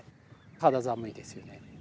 肌寒いですよね。